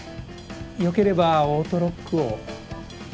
よければオートロックを。